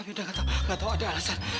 api udah gak tau gak tau ada alasan